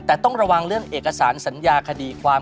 แต่ต้องระวังเรื่องเอกสารสัญญาคดีความ